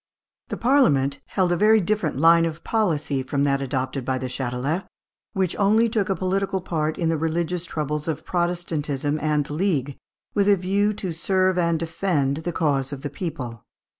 315). The Parliament held a very different line of policy from that adopted by the Châtelet, which only took a political part in the religious troubles of Protestantism and the League with a view to serve and defend the cause of the people.